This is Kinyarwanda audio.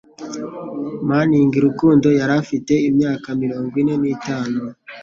Manning Rukundo yari afite imyaka mirongo ine n'itanu,